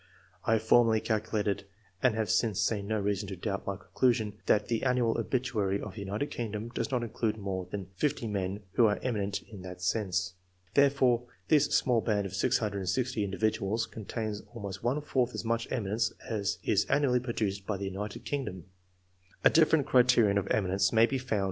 '' I former] calculated, and have since seen no reason 1 doubt my conclusions, that the annual obituai of the United Kingdom does not include mo: than 50 men who are eminent in that sens Therefore this small band of 660 individual contains almost one fourth as much eminence \ is annually produced by the United Kingdoi A different criterion of eminence may be four ■'?